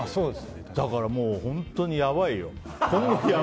だから本当にやばいよ。